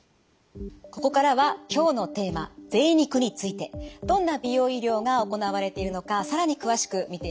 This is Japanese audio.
ここからは今日のテーマぜい肉についてどんな美容医療が行われているのか更に詳しく見ていきます。